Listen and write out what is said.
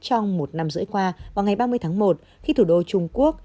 trong một năm rưỡi qua vào ngày ba mươi tháng một khi thủ đô trung quốc